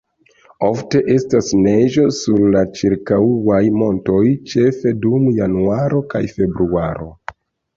Ofte estas neĝo sur la ĉirkaŭaj montoj ĉefe dum januaro kaj februaro.